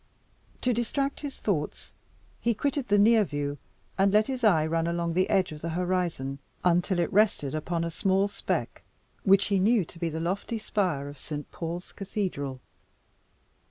To distract his thoughts, he quitted the near view, and let his eye run along the edge of the horizon, until it rested upon a small speck, which he knew to be the lofty spire of Saint Paul's Cathedral.